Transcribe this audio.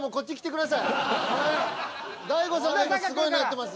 大悟さんが今すごいのやってます。